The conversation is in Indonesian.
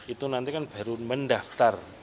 itu nanti kan baru mendaftar